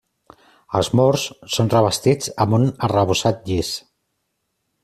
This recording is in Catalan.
Els murs són revestits amb un arrebossat llis.